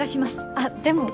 あっでも。